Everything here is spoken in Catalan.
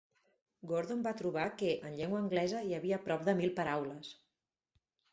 Gordon va trobar que, en llengua anglesa, hi havia prop de mil paraules.